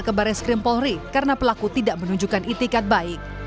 ke baris krim polri karena pelaku tidak menunjukkan itikat baik